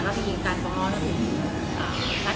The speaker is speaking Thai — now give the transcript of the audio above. ตอนที่นอนอยู่โรงพยาบาล